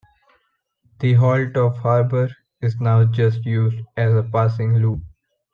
The halt of Harber is now just used as a passing loop.